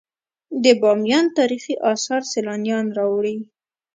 د بامیان تاریخي اثار سیلانیان راوړي